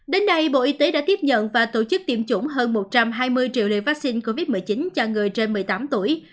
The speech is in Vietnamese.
đến nay bộ y tế đã tiếp nhận và tổ chức tiêm chủng hơn một trăm hai mươi triệu liều vaccine covid một mươi chín cho người trên một mươi tám tuổi